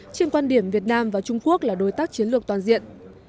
trên quan điểm việt nam và trung quốc là đối tác chiến lược toàn diện